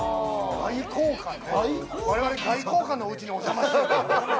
我々外交官のおうちにお邪魔してる？